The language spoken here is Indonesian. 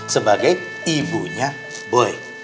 sebagai ibunya boy